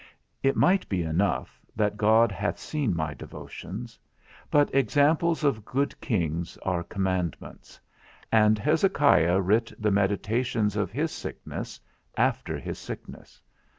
It might be enough, that God hath seen my devotions: but examples of good kings are commandments; and Hezekiah writ the meditations of his sickness, after his sickness.